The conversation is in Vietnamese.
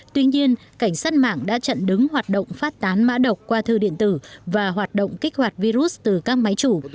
tuy nhiên cảnh sát mạng đã chặn đứng hoạt động phát tán mã độc qua thư điện tử và hoạt động kích hoạt virus từ các máy chủ